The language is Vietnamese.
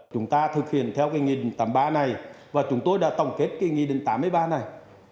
chúng ta thực hiện theo cái nghị định tám mươi ba này và chúng tôi đã tổng kết cái nghị định tám mươi ba này